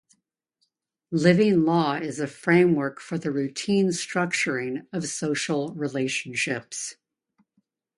Living law is a framework for the routine structuring of social relationships.